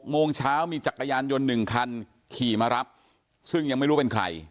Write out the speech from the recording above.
โมงเช้ามีจักรยานยนต์๑คันขี่มารับซึ่งยังไม่รู้เป็นใคร